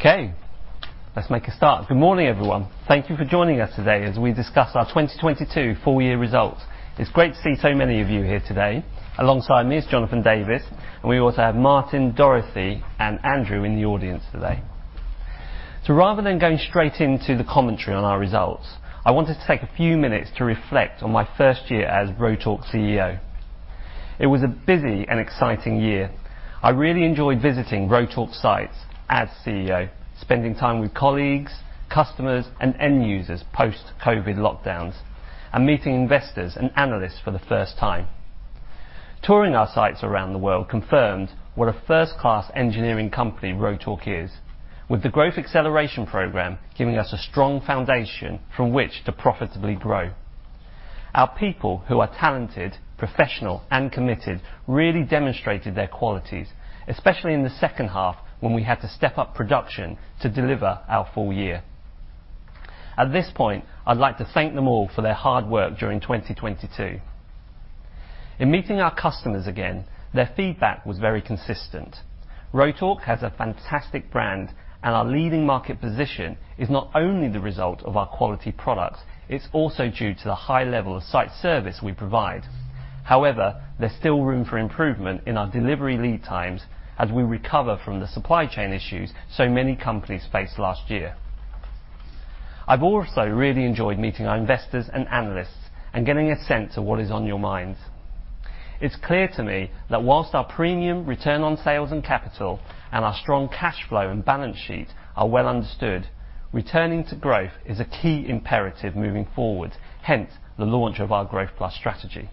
Okay, let's make a start. Good morning, everyone. Thank you for joining us today as we discuss our 2022 full year results. It's great to see so many of you here today. Alongside me is Jonathan Davis, and we also have Martin, Dorothy, and Andrew in the audience today. Rather than going straight into the commentary on our results, I wanted to take a few minutes to reflect on my first year as Rotork CEO. It was a busy and exciting year. I really enjoyed visiting Rotork sites as CEO, spending time with colleagues, customers, and end users post-COVID lockdowns, and meeting investors and analysts for the first time. Touring our sites around the world confirmed what a first-class engineering company Rotork is, with the Growth Acceleration Programme giving us a strong foundation from which to profitably grow. Our people, who are talented, professional, and committed, really demonstrated their qualities, especially in the second half when we had to step up production to deliver our full year. At this point, I'd like to thank them all for their hard work during 2022. In meeting our customers again, their feedback was very consistent. Rotork has a fantastic brand, and our leading market position is not only the result of our quality products, it's also due to the high level of site service we provide. However, there's still room for improvement in our delivery lead times as we recover from the supply chain issues so many companies faced last year. I've also really enjoyed meeting our investors and analysts and getting a sense of what is on your minds. It's clear to me that whilst our premium return on sales and capital and our strong cash flow and balance sheet are well understood, returning to growth is a key imperative moving forward, hence the launch of our Growth+ strategy.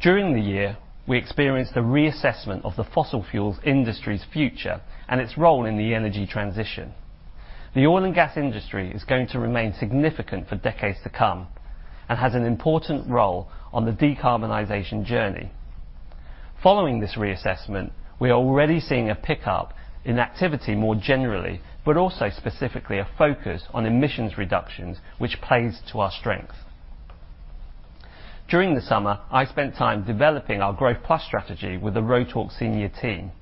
During the year, we experienced a reassessment of the fossil fuels industry's future and its role in the energy transition. The oil and gas industry is going to remain significant for decades to come and has an important role on the decarbonization journey. Following this reassessment, we are already seeing a pickup in activity more generally, but also specifically a focus on emissions reductions, which plays to our strength. During the summer, I spent time developing our Growth+ strategy with the Rotork senior team.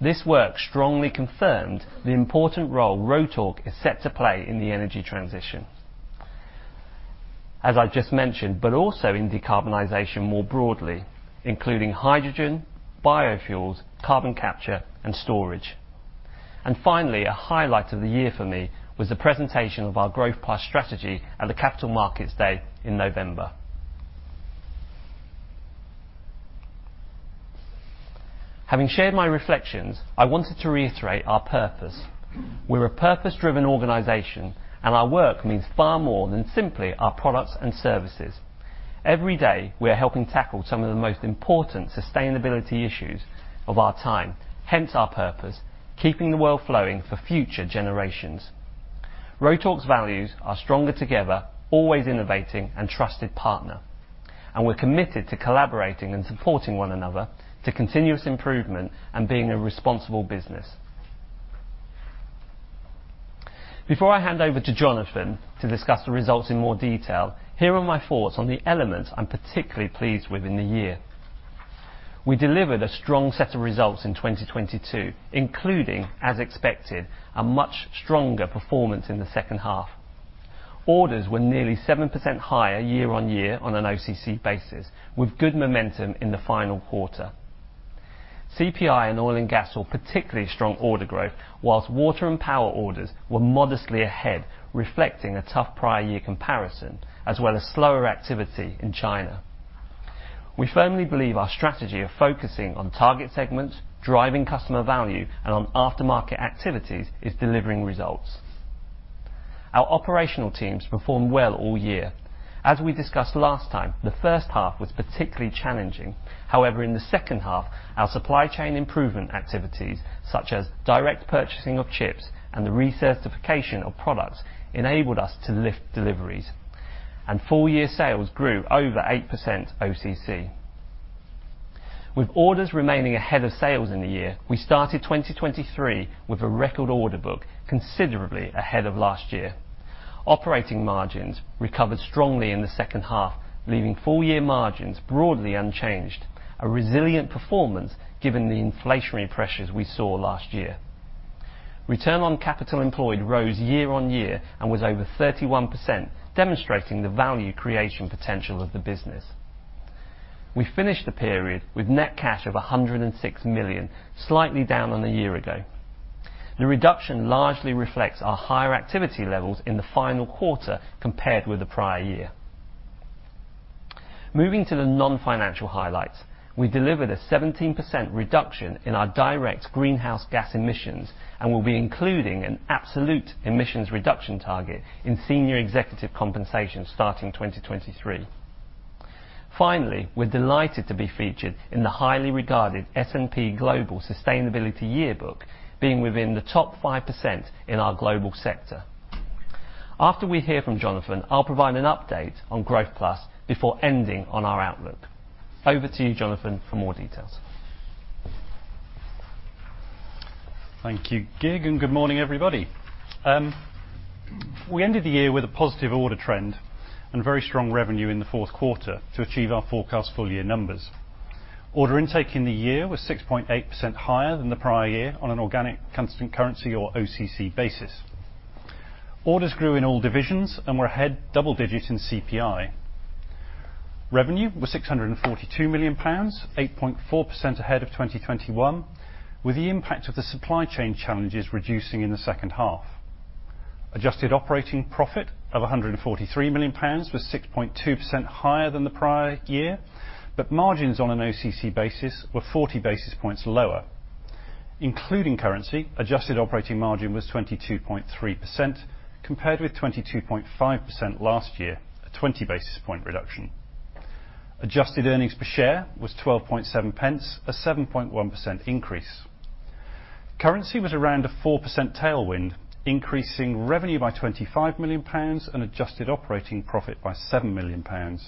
This work strongly confirmed the important role Rotork is set to play in the energy transition. As I've just mentioned, but also in decarbonization more broadly, including hydrogen, biofuels, carbon capture, and storage. Finally, a highlight of the year for me was the presentation of our Growth+ strategy at the Capital Markets Day in November. Having shared my reflections, I wanted to reiterate our purpose. We're a purpose-driven organization, and our work means far more than simply our products and services. Every day, we are helping tackle some of the most important sustainability issues of our time, hence our purpose, keeping the world flowing for future generations. Rotork's values are stronger together, always innovating, and trusted partner, and we're committed to collaborating and supporting one another to continuous improvement and being a responsible business. Before I hand over to Jonathan to discuss the results in more detail, here are my thoughts on the elements I'm particularly pleased with in the year. We delivered a strong set of results in 2022, including, as expected, a much stronger performance in the second half. Orders were nearly 7% higher year-on-year on an OCC basis, with good momentum in the final quarter. CPI and oil and gas saw particularly strong order growth, while water and power orders were modestly ahead, reflecting a tough prior year comparison, as well as slower activity in China. We firmly believe our strategy of focusing on target segments, driving customer value, and on aftermarket activities is delivering results. Our operational teams performed well all year. As we discussed last time, the first half was particularly challenging. In the second half, our supply chain improvement activities, such as direct purchasing of chips and the recertification of products, enabled us to lift deliveries, and full year sales grew over 8% OCC. With orders remaining ahead of sales in the year, we started 2023 with a record order book considerably ahead of last year. Operating margins recovered strongly in the second half, leaving full year margins broadly unchanged, a resilient performance given the inflationary pressures we saw last year. Return on capital employed rose year-over-year and was over 31%, demonstrating the value creation potential of the business. We finished the period with net cash of 106 million, slightly down on a year ago. The reduction largely reflects our higher activity levels in the final quarter compared with the prior year. Moving to the non-financial highlights, we delivered a 17% reduction in our direct greenhouse gas emissions and will be including an absolute emissions reduction target in senior executive compensation starting 2023. We're delighted to be featured in the highly regarded S&P Global Sustainability Yearbook, being within the top 5% in our global sector. After we hear from Jonathan, I'll provide an update on Growth+ before ending on our outlook. Over to you, Jonathan, for more details. Thank you, Kieron Underwood, and good morning, everybody. We ended the year with a positive order trend and very strong revenue in the fourth quarter to achieve our forecast full year numbers. Order intake in the year was 6.8% higher than the prior year on an organic constant currency, or OCC, basis. Orders grew in all divisions and were ahead double digit in CPI. Revenue was 642 million pounds, 8.4% ahead of 2021, with the impact of the supply chain challenges reducing in the second half. Adjusted operating profit of 143 million pounds was 6.2% higher than the prior year, margins on an OCC basis were 40 basis points lower. Including currency, Adjusted operating margin was 22.3% compared with 22.5% last year, a 20 basis point reduction. Adjusted earnings per share was 12.7 pence, a 7.1% increase. Currency was around a 4% tailwind, increasing revenue by 25 million pounds and adjusted operating profit by 7 million pounds.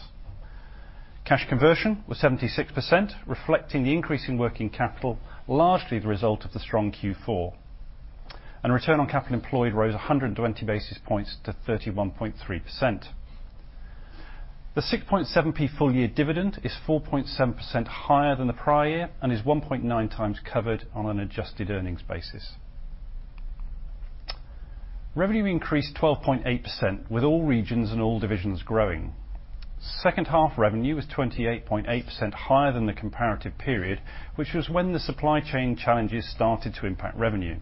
Cash conversion was 76%, reflecting the increase in working capital, largely the result of the strong Q4. Return on capital employed rose 120 basis points to 31.3%. The 6.7p full year dividend is 4.7% higher than the prior year and is 1.9 times covered on an Adjusted earnings basis. Revenue increased 12.8% with all regions and all divisions growing. Second half revenue was 28.8% higher than the comparative period, which was when the supply chain challenges started to impact revenue.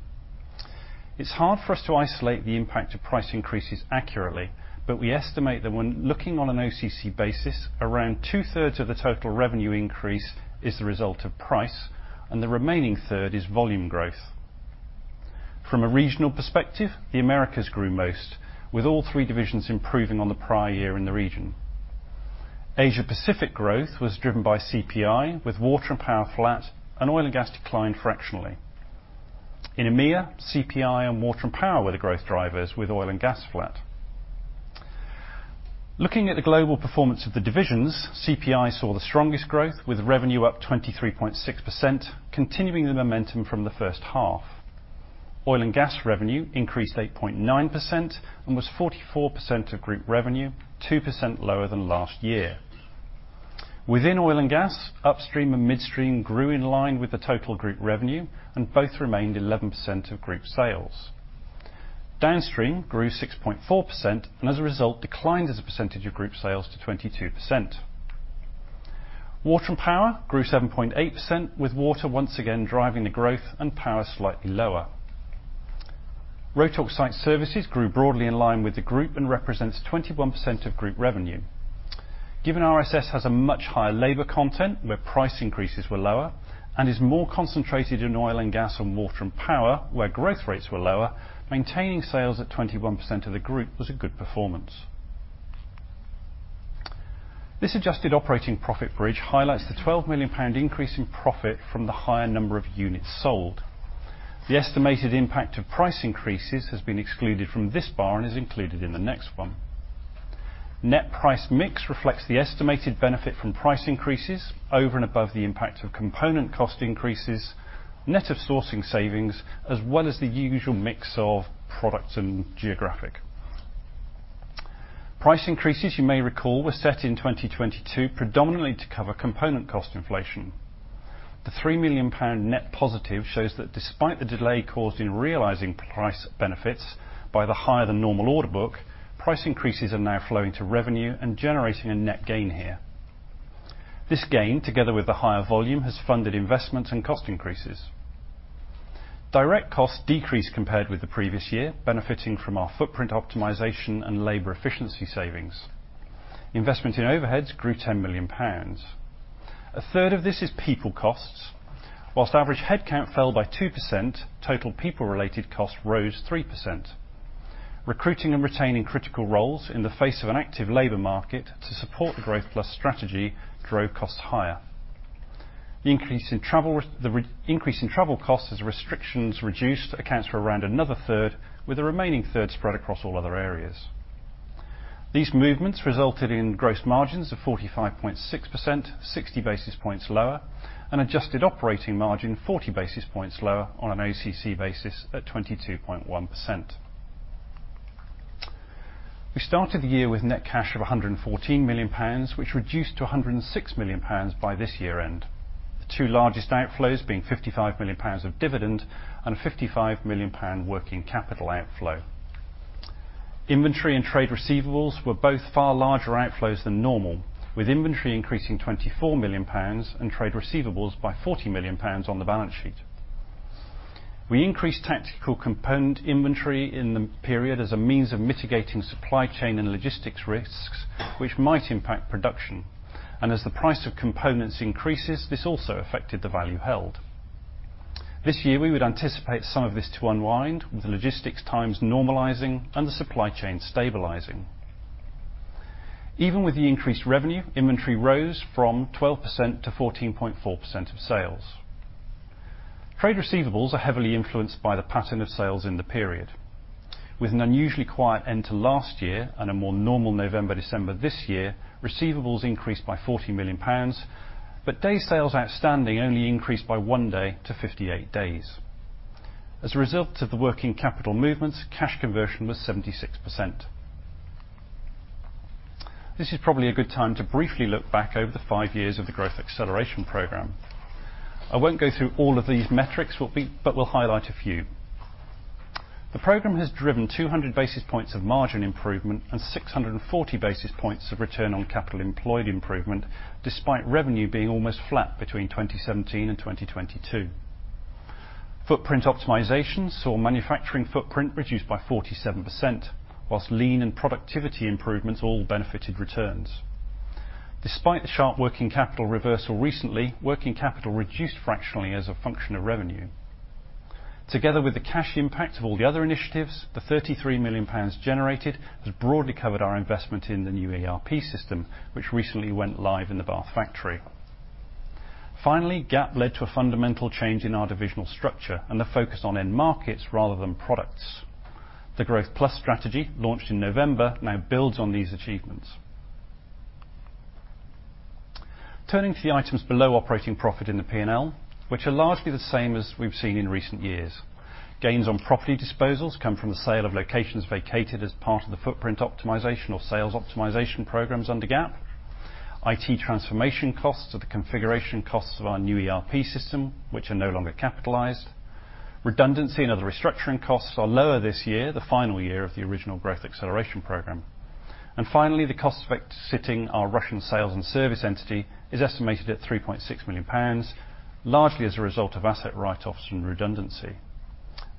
It's hard for us to isolate the impact of price increases accurately, but we estimate that when looking on an OCC basis, around two-thirds of the total revenue increase is the result of price, and the remaining third is volume growth. From a regional perspective, the Americas grew most with all three divisions improving on the prior year in the region. Asia Pacific growth was driven by CPI, with water and power flat, and oil and gas declined fractionally. In EMEA, CPI and water and power were the growth drivers, with oil and gas flat. Looking at the global performance of the divisions, CPI saw the strongest growth with revenue up 23.6%, continuing the momentum from the first half. Oil and gas revenue increased 8.9% and was 44% of group revenue, 2% lower than last year. Within oil and gas, upstream and midstream grew in line with the total group revenue and both remained 11% of group sales. Downstream grew 6.4%, and as a result, declined as a percentage of group sales to 22%. Water and power grew 7.8%, with water once again driving the growth and power slightly lower. Rotork Site Services grew broadly in line with the group and represents 21% of group revenue. Given RSS has a much higher labor content, where price increases were lower, and is more concentrated in oil and gas and water and power, where growth rates were lower, maintaining sales at 21% of the group was a good performance. This adjusted operating profit bridge highlights the 12 million pound increase in profit from the higher number of units sold. The estimated impact of price increases has been excluded from this bar and is included in the next one. Net price mix reflects the estimated benefit from price increases over and above the impact of component cost increases, net of sourcing savings, as well as the usual mix of products and geographic. Price increases, you may recall, were set in 2022 predominantly to cover component cost inflation. The 3 million pound net positive shows that despite the delay caused in realizing price benefits by the higher than normal order book, price increases are now flowing to revenue and generating a net gain here. This gain, together with the higher volume, has funded investments and cost increases. Direct costs decreased compared with the previous year, benefiting from our footprint optimization and labor efficiency savings. Investment in overheads grew 10 million pounds. A third of this is people costs. Whilst average headcount fell by 2%, total people related costs rose 3%. Recruiting and retaining critical roles in the face of an active labor market to support the Growth+ strategy drove costs higher. The increase in travel costs as restrictions reduced accounts for around another third, with the remaining third spread across all other areas. These movements resulted in gross margins of 45.6%, 60 basis points lower, and adjusted operating margin 40 basis points lower on an OCC basis at 22.1%. We started the year with net cash of 114 million pounds, which reduced to 106 million pounds by this year end. The two largest outflows being 55 million pounds of dividend and a 55 million pound working capital outflow. Inventory and trade receivables were both far larger outflows than normal, with inventory increasing 24 million pounds and trade receivables by 40 million pounds on the balance sheet. We increased tactical component inventory in the period as a means of mitigating supply chain and logistics risks which might impact production. As the price of components increases, this also affected the value held. This year, we would anticipate some of this to unwind with the logistics times normalizing and the supply chain stabilizing. Even with the increased revenue, inventory rose from 12% - 14.4% of sales. Trade receivables are heavily influenced by the pattern of sales in the period. With an unusually quiet end to last year and a more normal November, December this year, receivables increased by 40 million pounds, but day sales outstanding only increased by 1 day to 58 days. As a result of the working capital movements, cash conversion was 76%. This is probably a good time to briefly look back over the 5 years of the Growth Acceleration Programme. I won't go through all of these metrics, but we'll highlight a few. The Programme has driven 200 basis points of margin improvement and 640 basis points of return on capital employed improvement, despite revenue being almost flat between 2017 and 2022. Footprint optimization saw manufacturing footprint reduced by 47%, while lean and productivity improvements all benefited returns. Despite the sharp working capital reversal recently, working capital reduced fractionally as a function of revenue. Together with the cash impact of all the other initiatives, the 33 million pounds generated has broadly covered our investment in the new ERP system, which recently went live in the Bath factory. Finally, GAP led to a fundamental change in our divisional structure and the focus on end markets rather than products. The Growth+ strategy, launched in November, now builds on these achievements. Turning to the items below operating profit in the P&L, which are largely the same as we've seen in recent years. Gains on property disposals come from the sale of locations vacated as part of the footprint optimization or sales optimization programs under GAP. IT transformation costs are the configuration costs of our new ERP system, which are no longer capitalized. Redundancy and other restructuring costs are lower this year, the final year of the original Growth Acceleration Programme. Finally, the cost of exiting our Russian sales and service entity is estimated at 3.6 million pounds, largely as a result of asset write-offs and redundancy.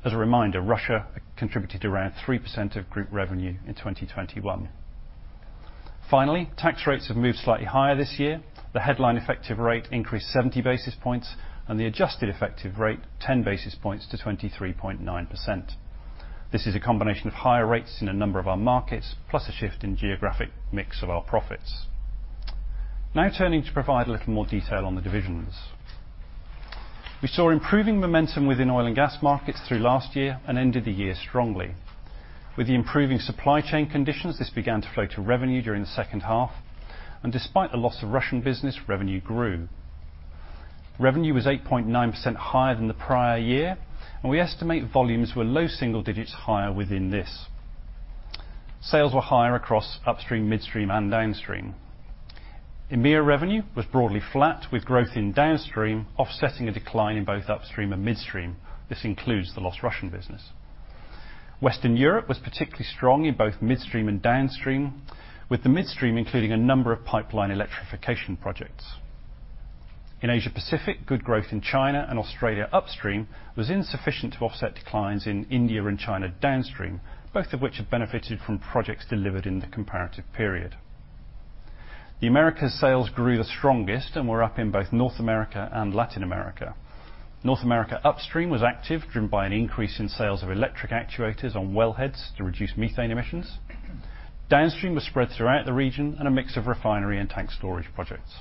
As a reminder, Russia contributed around 3% of group revenue in 2021. Tax rates have moved slightly higher this year. The headline effective rate increased 70 basis points, and the adjusted effective rate 10 basis points to 23.9%. This is a combination of higher rates in a number of our markets, plus a shift in geographic mix of our profits. Turning to provide a little more detail on the divisions. We saw improving momentum within oil and gas markets through last year and ended the year strongly. With the improving supply chain conditions, this began to flow to revenue during the second half, and despite the loss of Russian business, revenue grew. Revenue was 8.9% higher than the prior year, and we estimate volumes were low single digits higher within this. Sales were higher across upstream, midstream, and downstream. EMEA revenue was broadly flat, with growth in downstream offsetting a decline in both upstream and midstream. This includes the lost Russian business. Western Europe was particularly strong in both midstream and downstream, with the midstream including a number of pipeline electrification projects. In Asia Pacific, good growth in China and Australia upstream was insufficient to offset declines in India and China downstream, both of which have benefited from projects delivered in the comparative period. The Americas sales grew the strongest and were up in both North America and Latin America. North America upstream was active, driven by an increase in sales of electric actuators on wellheads to reduce methane emissions. Downstream was spread throughout the region in a mix of refinery and tank storage projects.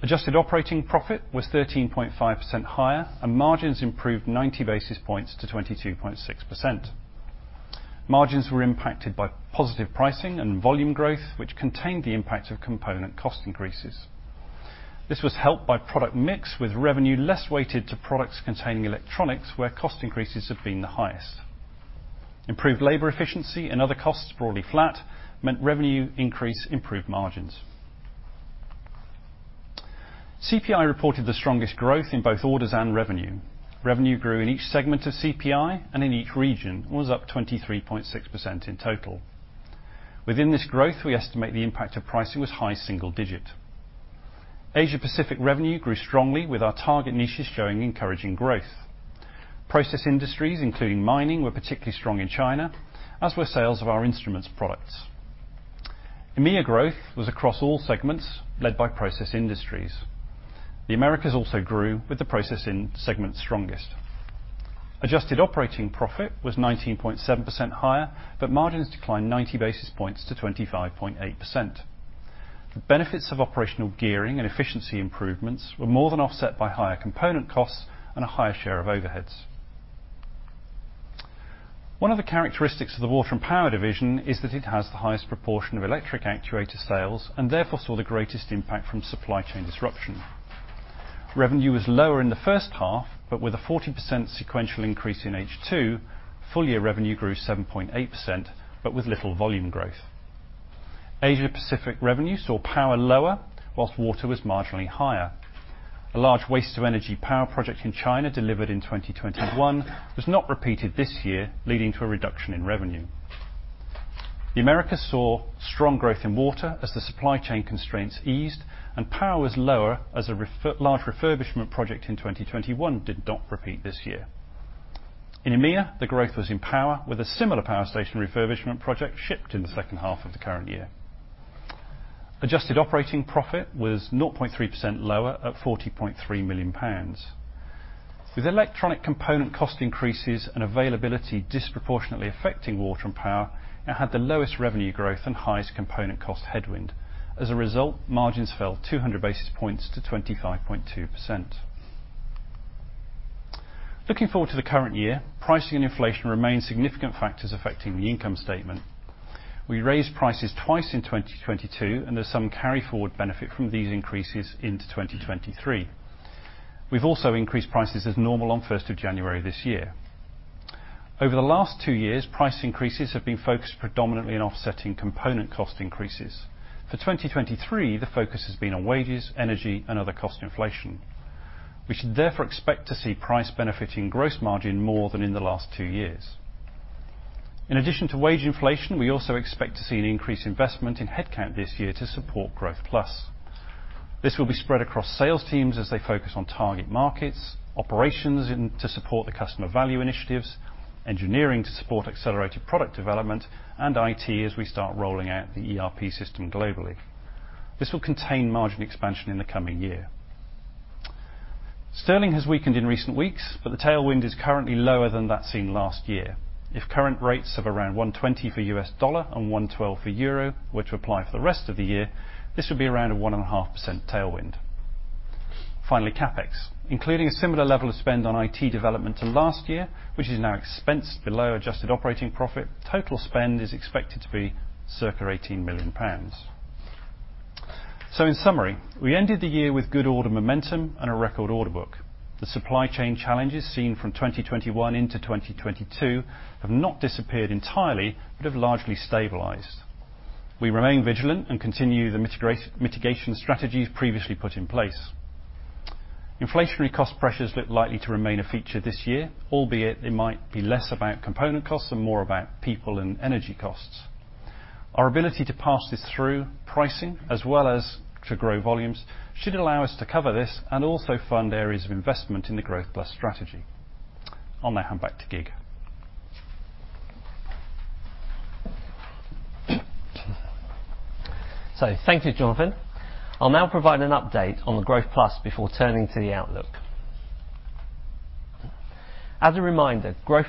Adjusted operating profit was 13.5% higher, and margins improved 90 basis points to 22.6%. Margins were impacted by positive pricing and volume growth, which contained the impact of component cost increases. This was helped by product mix with revenue less weighted to products containing electronics, where cost increases have been the highest. Improved labor efficiency and other costs broadly flat meant revenue increase improved margins. CPI reported the strongest growth in both orders and revenue. Revenue grew in each segment of CPI and in each region, and was up 23.6% in total. Within this growth, we estimate the impact of pricing was high single digit. Asia Pacific revenue grew strongly with our target niches showing encouraging growth. Process industries, including mining, were particularly strong in China, as were sales of our Instruments products. EMEA growth was across all segments, led by process industries. The Americas also grew with the processing segment strongest. Adjusted operating profit was 19.7% higher, margins declined 90 basis points to 25.8%. The benefits of operational gearing and efficiency improvements were more than offset by higher component costs and a higher share of overheads. One of the characteristics of the Water and Power division is that it has the highest proportion of electric actuator sales, and therefore saw the greatest impact from supply chain disruption. Revenue was lower in the first half, with a 40% sequential increase in H2, full year revenue grew 7.8%, but with little volume growth. Asia Pacific revenue saw power lower, whilst water was marginally higher. A large waste of energy power project in China delivered in 2021 was not repeated this year, leading to a reduction in revenue. The Americas saw strong growth in water as the supply chain constraints eased, and power was lower as a large refurbishment project in 2021 did not repeat this year. In EMEA, the growth was in power with a similar power station refurbishment project shipped in the second half of the current year. Adjusted operating profit was 0.3% lower at 40.3 million pounds. With electronic component cost increases and availability disproportionately affecting Water and Power, it had the lowest revenue growth and highest component cost headwind. As a result, margins fell 200 basis points to 25.2%. Looking forward to the current year, pricing and inflation remain significant factors affecting the income statement. We raised prices twice in 2022, and there's some carry forward benefit from these increases into 2023. We've also increased prices as normal on 1st of January this year. Over the last two years, price increases have been focused predominantly on offsetting component cost increases. For 2023, the focus has been on wages, energy, and other cost inflation. We should therefore expect to see price benefiting gross margin more than in the last two years. In addition to wage inflation, we also expect to see an increased investment in headcount this year to support Growth+. This will be spread across sales teams as they focus on target markets, operations in to support the customer value initiatives, engineering to support accelerated product development, and IT as we start rolling out the ERP system globally. This will contain margin expansion in the coming year. Sterling has weakened in recent weeks, but the tailwind is currently lower than that seen last year. If current rates of around $1.20 for US dollar and 1.12 for euro, were to apply for the rest of the year, this would be around a 1.5% tailwind. Finally, CapEx. Including a similar level of spend on IT development to last year, which is now expensed below adjusted operating profit, total spend is expected to be circa 18 million pounds. In summary, we ended the year with good order momentum and a record order book. The supply chain challenges seen from 2021 into 2022 have not disappeared entirely, but have largely stabilized. We remain vigilant and continue the mitigation strategies previously put in place. Inflationary cost pressures look likely to remain a feature this year, albeit it might be less about component costs and more about people and energy costs. Our ability to pass this through pricing as well as to grow volumes should allow us to cover this and also fund areas of investment in the Growth+ strategy. I'll now hand back to Kieron. Thank you, Jonathan. I'll now provide an update on the Growth+ before turning to the outlook. As a reminder, Growth+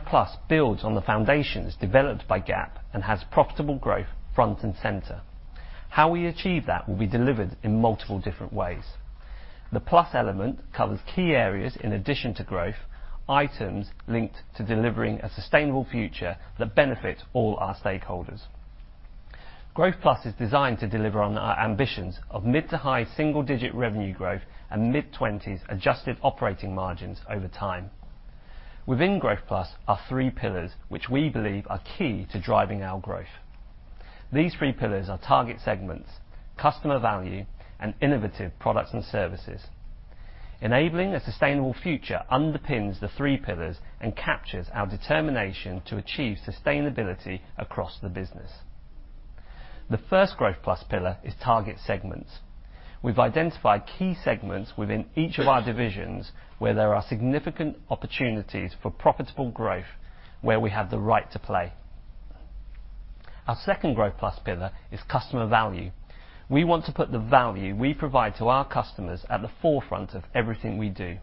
builds on the foundations developed by GAP and has profitable growth front and center. How we achieve that will be delivered in multiple different ways. The Plus element covers key areas in addition to growth, items linked to delivering a sustainable future that benefit all our stakeholders. Growth+ is designed to deliver on our ambitions of mid to high single-digit revenue growth and mid-twenties adjusted operating margins over time. Within Growth+ are three pillars which we believe are key to driving our growth. These three pillars are target segments, customer value, and innovative products and services. Enabling a sustainable future underpins the three pillars and captures our determination to achieve sustainability across the business. The first Growth+ pillar is target segments. We've identified key segments within each of our divisions where there are significant opportunities for profitable growth, where we have the right to play. Our second Growth+ pillar is customer value. We want to put the value we provide to our customers at the forefront of everything we do.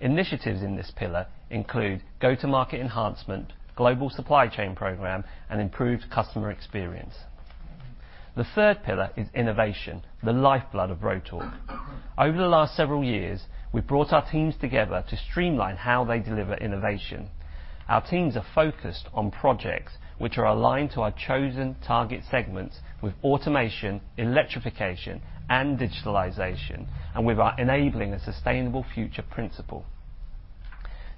Initiatives in this pillar include go-to-market enhancement, global supply chain program, and improved customer experience. The third pillar is innovation, the lifeblood of Rotork. Over the last several years, we've brought our teams together to streamline how they deliver innovation. Our teams are focused on projects which are aligned to our chosen target segments with automation, electrification, and digitalization, and with our enabling a sustainable future principle.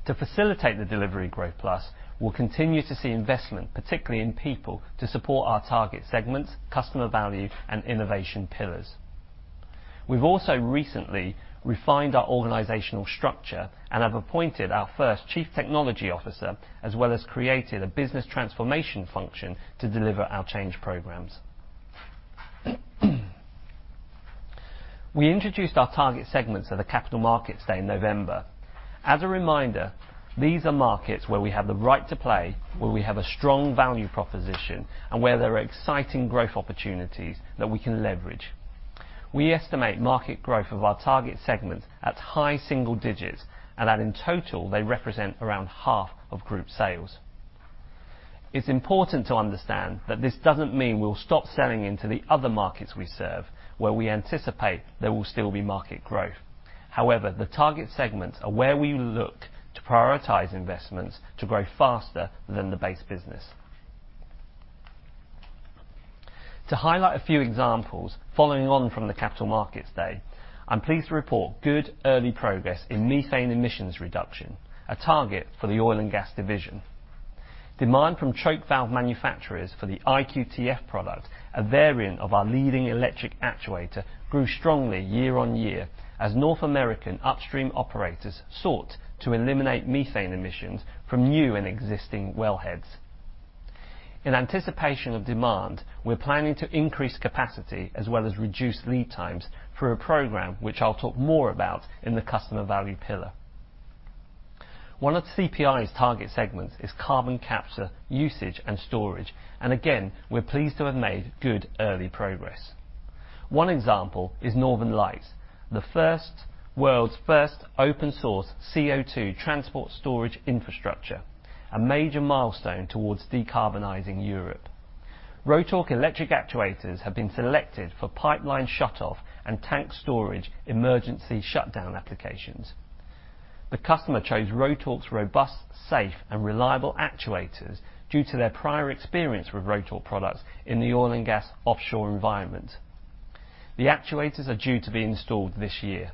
To facilitate the delivery of Growth+, we'll continue to see investment, particularly in people, to support our target segments, customer value, and innovation pillars. We've also recently refined our organizational structure and have appointed our first Chief Technology Officer, as well as created a business transformation function to deliver our change programs. We introduced our target segments at the Capital Markets Day in November. As a reminder, these are markets where we have the right to play, where we have a strong value proposition, and where there are exciting growth opportunities that we can leverage. We estimate market growth of our target segments at high single digits and that in total they represent around half of group sales. It's important to understand that this doesn't mean we'll stop selling into the other markets we serve where we anticipate there will still be market growth. However, the target segments are where we look to prioritize investments to grow faster than the base business. To highlight a few examples following on from the Capital Markets Day, I'm pleased to report good early progress in methane emissions reduction, a target for the oil and gas division. Demand from choke valve manufacturers for the IQTF product, a variant of our leading electric actuator, grew strongly year-on-year as North American upstream operators sought to eliminate methane emissions from new and existing wellheads. In anticipation of demand, we're planning to increase capacity as well as reduce lead times through a program which I'll talk more about in the customer value pillar. Again, we're pleased to have made good early progress. One of CPI's target segments is carbon capture, usage, and storage. One example is Northern Lights, the world's first open source CO2 transport storage infrastructure, a major milestone towards decarbonizing Europe. Rotork electric actuators have been selected for pipeline shutoff and tank storage emergency shutdown applications. The customer chose Rotork's robust, safe, and reliable actuators due to their prior experience with Rotork products in the oil and gas offshore environment. The actuators are due to be installed this year.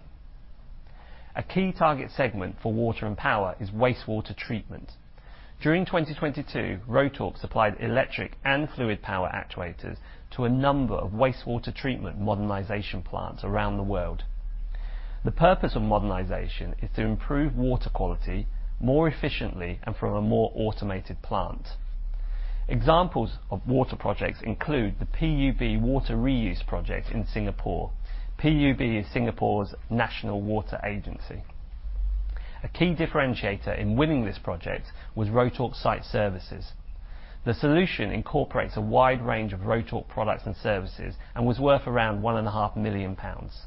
A key target segment for water and power is wastewater treatment. During 2022, Rotork supplied electric and fluid power actuators to a number of wastewater treatment modernization plants around the world. The purpose of modernization is to improve water quality more efficiently and from a more automated plant. Examples of water projects include the PUB Water Reuse project in Singapore. PUB is Singapore's national water agency. A key differentiator in winning this project was Rotork Site Services. The solution incorporates a wide range of Rotork products and services and was worth around one and a half million pounds.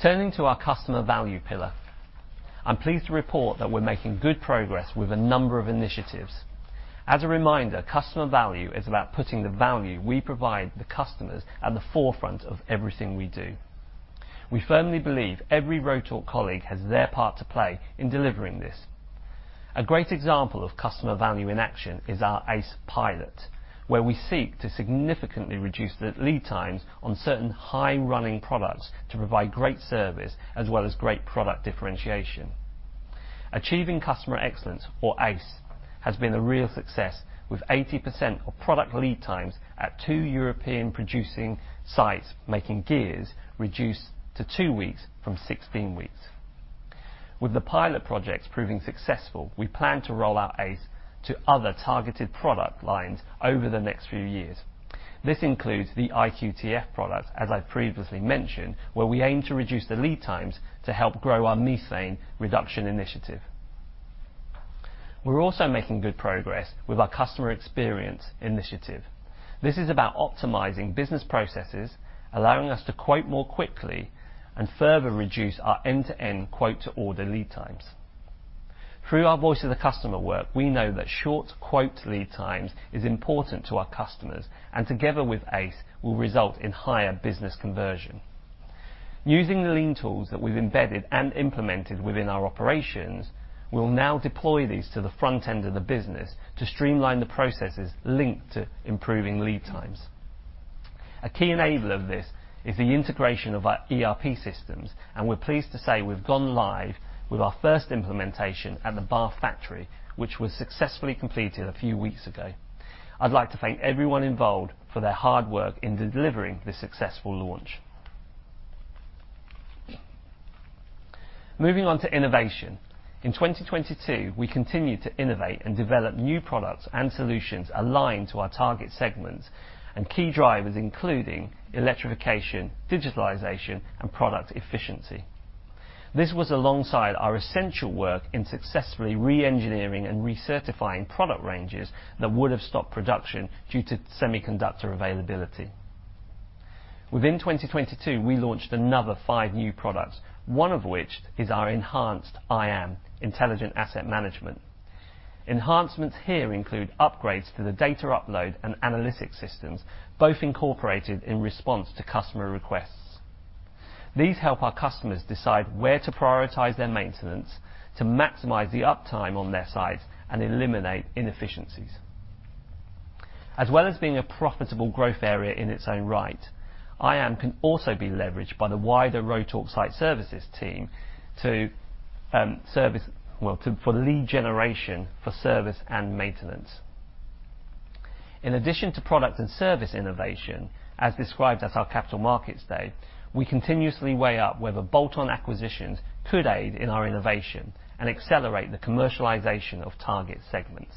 Turning to our customer value pillar. I'm pleased to report that we're making good progress with a number of initiatives. As a reminder, customer value is about putting the value we provide the customers at the forefront of everything we do. We firmly believe every Rotork colleague has their part to play in delivering this. A great example of customer value in action is our ACE pilot, where we seek to significantly reduce the lead times on certain high running products to provide great service as well as great product differentiation. Achieving Customer Excellence, or ACE, has been a real success, with 80% of product lead times at two European producing sites making gears reduced to two weeks from 16 weeks. With the pilot projects proving successful, we plan to roll out ACE to other targeted product lines over the next few years. This includes the IQTF product, as I previously mentioned, where we aim to reduce the lead times to help grow our methane reduction initiative. We're also making good progress with our customer experience initiative. This is about optimizing business processes, allowing us to quote more quickly and further reduce our end-to-end quote-to-order lead times. Through our voice of the customer work, we know that short quote lead times is important to our customers, and together with ACE will result in higher business conversion. Using the lean tools that we've embedded and implemented within our operations, we'll now deploy these to the front end of the business to streamline the processes linked to improving lead times. A key enabler of this is the integration of our ERP systems. We're pleased to say we've gone live with our first implementation at the Bath factory, which was successfully completed a few weeks ago. I'd like to thank everyone involved for their hard work in delivering this successful launch. Moving on to innovation. In 2022, we continued to innovate and develop new products and solutions aligned to our target segments and key drivers, including electrification, digitalization, and product efficiency. This was alongside our essential work in successfully re-engineering and recertifying product ranges that would have stopped production due to semiconductor availability. Within 2022, we launched another five new products, one of which is our enhanced IAM, Intelligent Asset Management. Enhancements here include upgrades to the data upload and analytics systems, both incorporated in response to customer requests. These help our customers decide where to prioritize their maintenance to maximize the uptime on their site and eliminate inefficiencies. As well as being a profitable growth area in its own right, IAM can also be leveraged by the wider Rotork Site Services team for lead generation for service and maintenance. In addition to product and service innovation, as described at our Capital Markets Day, we continuously weigh up whether bolt-on acquisitions could aid in our innovation and accelerate the commercialization of target segments.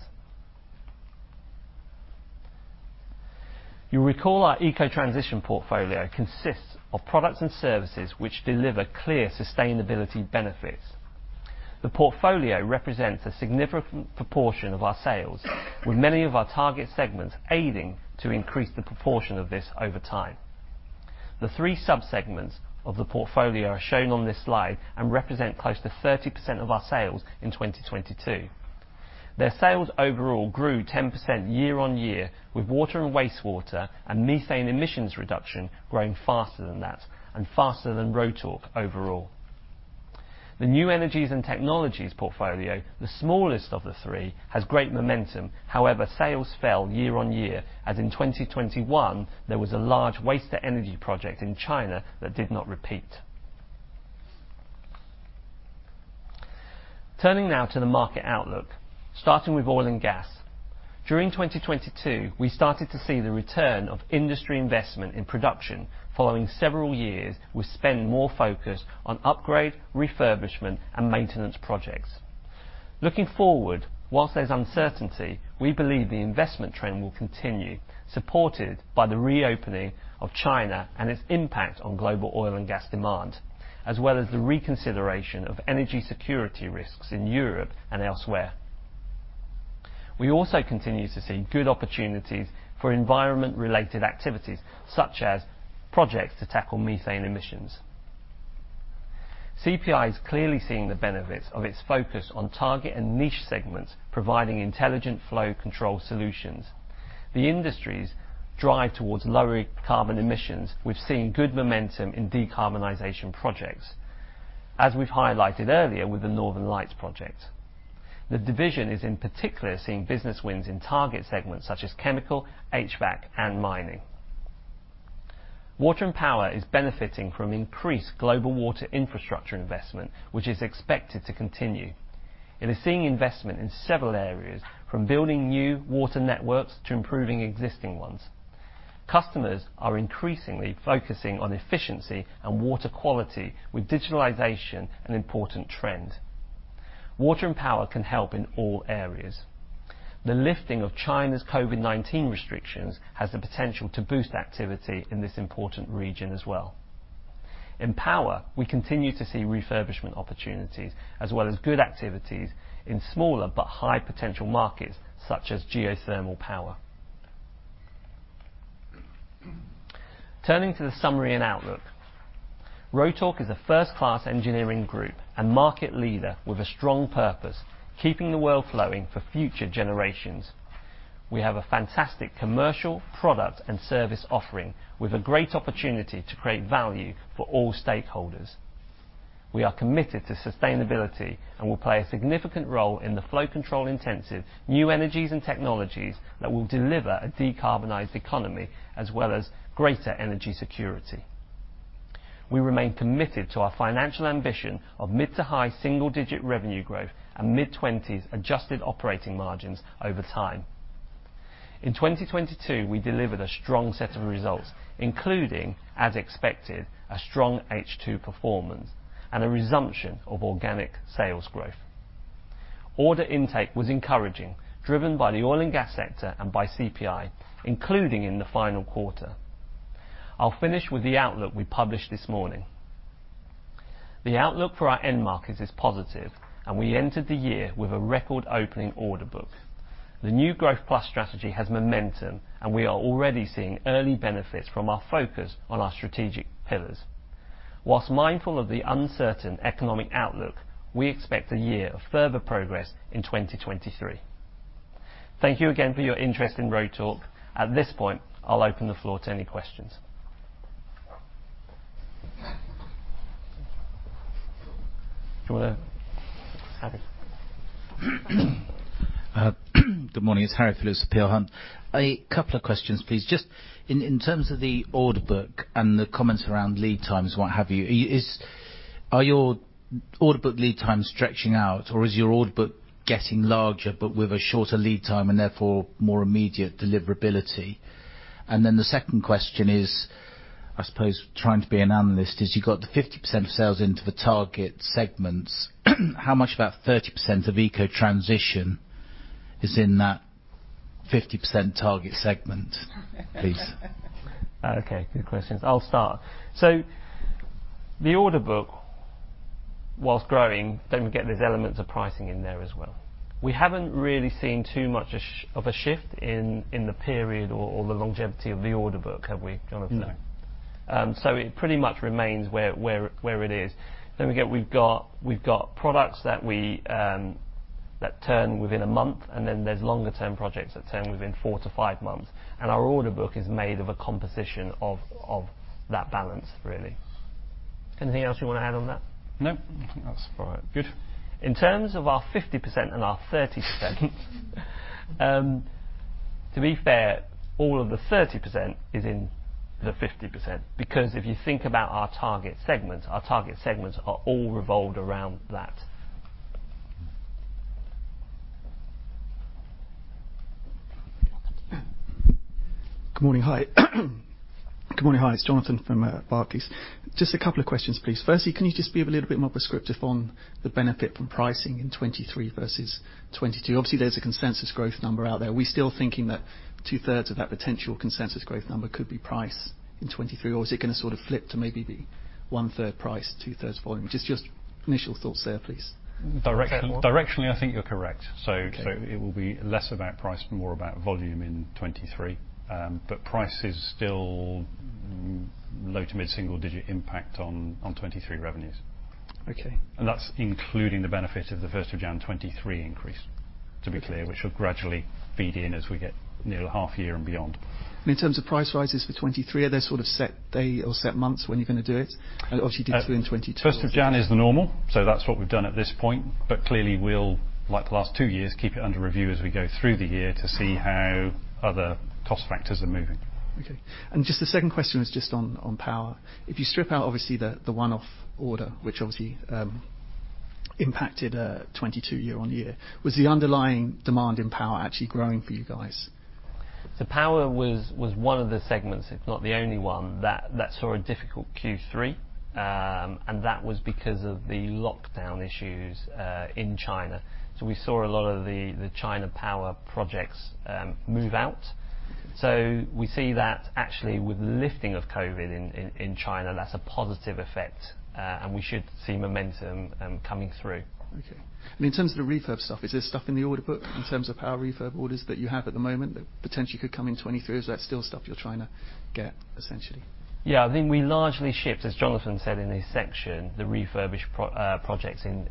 You'll recall our Eco-Transition portfolio consists of products and services which deliver clear sustainability benefits. The portfolio represents a significant proportion of our sales, with many of our target segments aiding to increase the proportion of this over time. The three subsegments of the portfolio are shown on this slide and represent close to 30% of our sales in 2022. Their sales overall grew 10% year-on-year, with water and wastewater and methane emissions reduction growing faster than that and faster than Rotork overall. The new energies and technologies portfolio, the smallest of the three, has great momentum. Sales fell year-on-year, as in 2021 there was a large waste-to-energy project in China that did not repeat. Turning now to the market outlook, starting with oil and gas. During 2022, we started to see the return of industry investment in production following several years with spend more focus on upgrade, refurbishment, and maintenance projects. Looking forward, whilst there's uncertainty, we believe the investment trend will continue, supported by the reopening of China and its impact on global oil and gas demand, as well as the reconsideration of energy security risks in Europe and elsewhere. We also continue to see good opportunities for environment-related activities, such as projects to tackle methane emissions. CPI is clearly seeing the benefits of its focus on target and niche segments, providing intelligent flow control solutions. The industry's drive towards lower carbon emissions, we've seen good momentum in decarbonization projects, as we've highlighted earlier with the Northern Lights project. The division is in particular seeing business wins in target segments such as chemical, HVAC, and mining. Water and power is benefiting from increased global water infrastructure investment, which is expected to continue. It is seeing investment in several areas, from building new water networks to improving existing ones. Customers are increasingly focusing on efficiency and water quality with digitalization an important trend. Water and power can help in all areas. The lifting of China's COVID-19 restrictions has the potential to boost activity in this important region as well. In power, we continue to see refurbishment opportunities as well as good activities in smaller but high potential markets such as geothermal power. Turning to the summary and outlook. Rotork is a first-class engineering group and market leader with a strong purpose, keeping the world flowing for future generations. We have a fantastic commercial, product, and service offering with a great opportunity to create value for all stakeholders. We are committed to sustainability and will play a significant role in the flow control intensive new energies and technologies that will deliver a decarbonized economy as well as greater energy security. We remain committed to our financial ambition of mid to high single-digit revenue growth and mid-twenties adjusted operating margins over time. In 2022, we delivered a strong set of results, including, as expected, a strong H2 performance and a resumption of organic sales growth. Order intake was encouraging, driven by the oil and gas sector and by CPI, including in the final quarter. I'll finish with the outlook we published this morning. The outlook for our end markets is positive. We entered the year with a record opening order book. The new Growth+ strategy has momentum. We are already seeing early benefits from our focus on our strategic pillars. Whilst mindful of the uncertain economic outlook, we expect a year of further progress in 2023. Thank you again for your interest in Rotork. At this point, I'll open the floor to any questions. Harry. Good morning, it's Harry Phillips of Peel Hunt. A couple of questions, please. Just in terms of the order book and the comments around lead times, what have you, are your order book lead times stretching out, or is your order book getting larger but with a shorter lead time and therefore more immediate deliverability? The second question is, I suppose trying to be an analyst, is you got the 50% sales into the target segments. How much of that 30% of eco transition is in that 50% target segment, please? Okay, good questions. I'll start. The order book, whilst growing, don't forget there's elements of pricing in there as well. We haven't really seen too much of a shift in the period or the longevity of the order book, have we, Jonathan? No. It pretty much remains where it is. Don't forget we've got products that we that turn within a month, and then there's longer-term projects that turn within 4-5 months, and our order book is made of a composition of that balance really. Anything else you wanna add on that? No. I think that's about right. Good. In terms of our 50% and our 30%, to be fair, all of the 30% is in the 50%, because if you think about our target segments, our target segments are all revolved around that. Good morning. Hi. Good morning. Hi, it's Jonathan from Barclays. Just 2 questions, please. Firstly, can you just be a little bit more prescriptive on the benefit from pricing in 2023 versus 2022? Obviously, there's a consensus growth number out there. Are we still thinking that 2/3 of that potential consensus growth number could be price in 2023, or is it gonna sort of flip to maybe be 1/3 price, 2/3 volume? Just your initial thoughts there, please. Fair point directionally, I think you're correct. Okay. It will be less about price, more about volume in 2023. Price is still low to mid-single digit % impact on 2023 revenues. Okay. That's including the benefit of the first of January 2023 increase, to be clear, which will gradually feed in as we get near the half year and beyond. In terms of price rises for 2023, are there sort of set day or set months when you're going to do it? Obviously you did do it in 2022, obviously. 1st of January is the normal. That's what we've done at this point. Clearly we'll, like the last two years, keep it under review as we go through the year to see how other cost factors are moving. Okay. Just the second question was just on power. If you strip out obviously the one-off order, which obviously impacted 2022 year-on-year, was the underlying demand in power actually growing for you guys? The power was one of the segments, if not the only one, that saw a difficult Q3. And that was because of the lockdown issues in China. We saw a lot of the China power projects move out. We see that actually with the lifting of COVID in China, that's a positive effect, and we should see momentum coming through. Okay. In terms of the refurb stuff, is there stuff in the order book in terms of power refurb orders that you have at the moment that potentially could come in 2023? Is that still stuff you're trying to get, essentially? Yeah. I think we largely shipped, as Jonathan said in his section, the refurbish projects in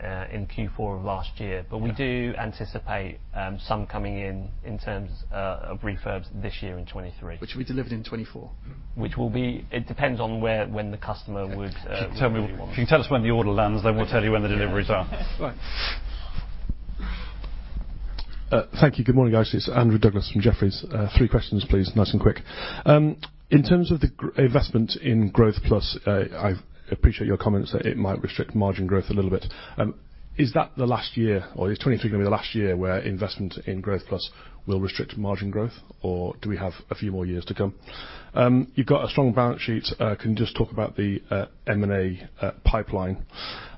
Q4 of last year. Okay. We do anticipate, some coming in terms, of refurbs this year in 2023. Which will be delivered in 2024? It depends on where, when the customer would want it. If you can tell us when the order lands, we'll tell you when the deliveries are. Right. Thank you. Good morning, guys. It's Andrew Douglas from Jefferies. Three questions, please. Nice and quick. In terms of the investment in Growth+, I appreciate your comments that it might restrict margin growth a little bit. Is that the last year, or is 2023 gonna be the last year where investment in Growth+ will restrict margin growth, or do we have a few more years to come? You've got a strong balance sheet. Can you just talk about the M&A pipeline?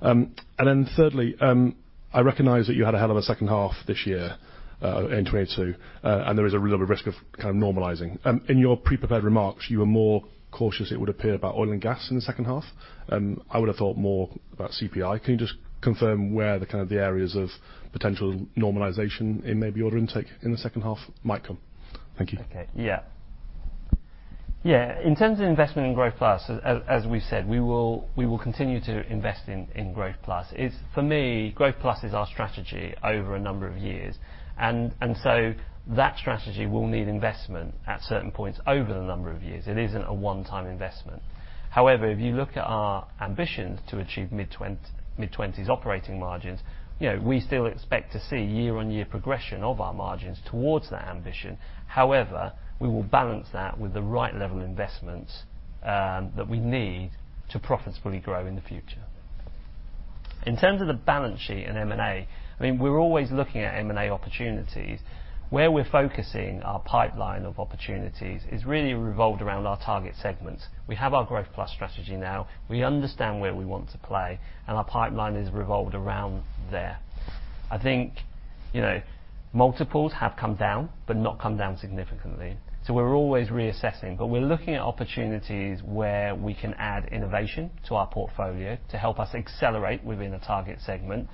Then thirdly, I recognize that you had a hell of a second half this year, in 2022, and there is a real risk of kind of normalizing. In your pre-prepared remarks, you were more cautious, it would appear, about oil and gas in the second half. I would've thought more about CPI. Can you just confirm where the kind of the areas of potential normalization in maybe order intake in the second half might come? Thank you. Okay. Yeah. Yeah. In terms of investment in Growth+, as we said, we will continue to invest in Growth+. It's, for me, Growth+ is our strategy over a number of years, and so that strategy will need investment at certain points over the number of years. It isn't a one-time investment. However, if you look at our ambitions to achieve mid-twenties operating margins you know we still expect to see year-on-year progression of our margins towards that ambition. However, we will balance that with the right level investments that we need to profitably grow in the future. In terms of the balance sheet and M&A, I mean, we're always looking at M&A opportunities. Where we're focusing our pipeline of opportunities is really revolved around our target segments. We have our Growth+ strategy now. We understand where we want to play. Our pipeline is revolved around there. I think you know multiples have come down, but not come down significantly, so we're always reassessing. We're looking at opportunities where we can add innovation to our portfolio to help us accelerate within a target segment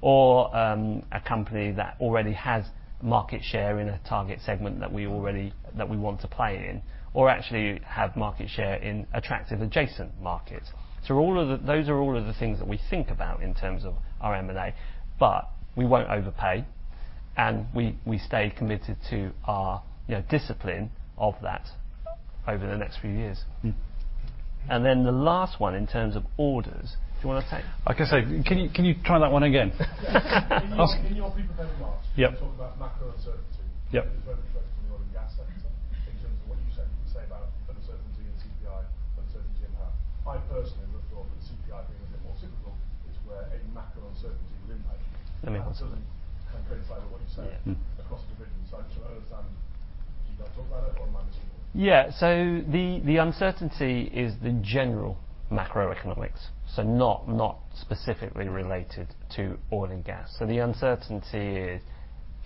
or a company that already has market share in a target segment that we want to play in or actually have market share in attractive adjacent markets. Those are all of the things that we think about in terms of our M&A. We won't overpay, and we stay committed to our you know discipline of that over the next few years. Mm. The last one in terms of orders, do you wanna take? Like I say, can you try that one again? In your pre-prepared remarks- Yeah. You talk about macro uncertainty. Yeah. Which is relevant, especially in the oil and gas sector in terms of what you said, say about uncertainty and CPI, uncertainty impact. I personally would've thought that CPI being a bit more cyclical is where a macro uncertainty would impact. Let me answer that. Absolutely. Kind of coincide with what you say. Yeah. Mm. across divisions. I just want to understand, did I talk about it or am I missing it? The uncertainty is the general macroeconomics, not specifically related to oil and gas. The uncertainty is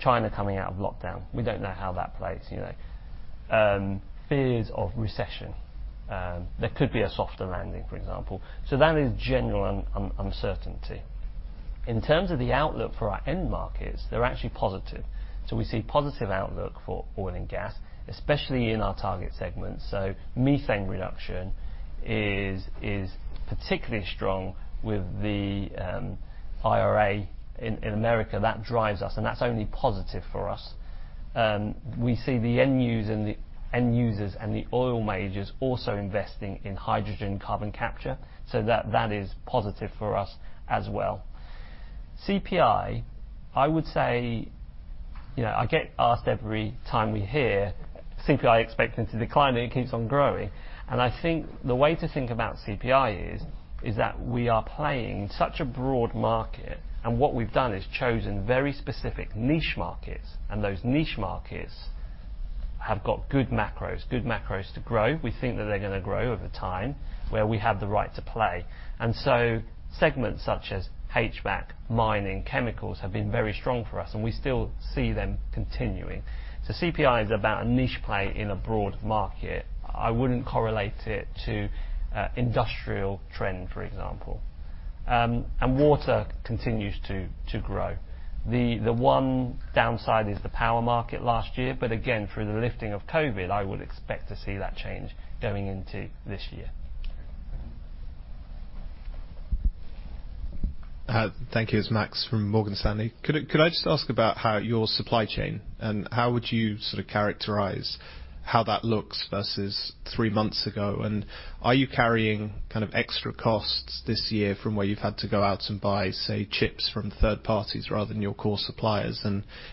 China coming out of lockdown. We don't know how that plays you know. Fears of recession. There could be a softer landing, for example. That is general uncertainty. In terms of the outlook for our end markets, they're actually positive. We see positive outlook for oil and gas, especially in our target segments. Methane reduction is particularly strong with the IRA in America. That drives us, and that's only positive for us. We see the end use and the end users and the oil majors also investing in hydrogen carbon capture, that is positive for us as well. CPI, I would say you know I get asked every time we're here, CPI expected to decline, it keeps on growing. I think the way to think about CPI is that we are playing such a broad market, what we've done is chosen very specific niche markets, those niche markets have got good macros, good macros to grow. We think that they're gonna grow over time, where we have the right to play. Segments such as HVAC, mining, chemicals have been very strong for us, we still see them continuing. CPI is about a niche play in a broad market. I wouldn't correlate it to a industrial trend, for example. Water continues to grow. The one downside is the power market last year, but again, through the lifting of COVID, I would expect to see that change going into this year. Okay. Thank you. It's Max from Morgan Stanley. Could I just ask about how your supply chain and how would you sort of characterize how that looks versus 3 months ago? Are you carrying kind of extra costs this year from where you've had to go out and buy, say, chips from third parties rather than your core suppliers?